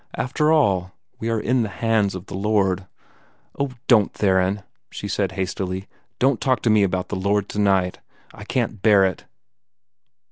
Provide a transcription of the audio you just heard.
After all, we are in the hands of the Lord." "Oh, don't, Theron!" she said hastily. "Don't talk to me about the Lord tonight; I can't bear it!"